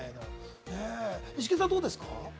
イシケンさん、どうですか？